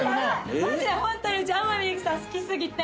マジでホントにうち天海祐希さん好き過ぎて。